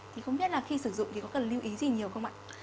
thì không biết là khi sử dụng thì có cần lưu ý gì nhiều không ạ